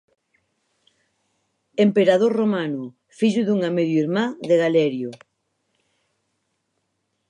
Emperador romano, fillo dunha medio irmá de Galerio.